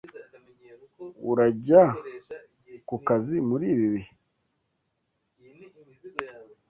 Urajya kukazi muri ibi bihe?